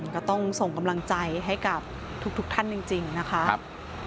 ก็ต้องส่งกำลังใจให้กับทุกท่านจริงนะคะ